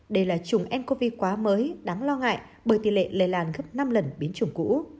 đây là chủng ncov quá mới đáng lo ngại bởi tỷ lệ lây lan gấp năm lần biến chủng cũ